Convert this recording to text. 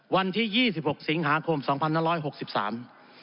วันที่ยี่สิบหกสิงหาคมสองพันห้าร้อยหกสิบสาม